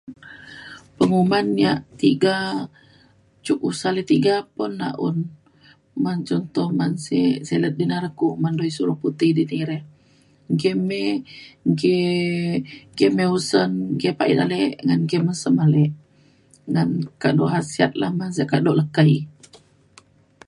Penguman yak tiga cuk usa le tiga pun laun. Men contoh men sek salad di na re ku men isiu urang putih di di re. Enggi me enggi me usen enggi pa ida le enggin mesep ale ngan kado khasiat lah men sek kado lekei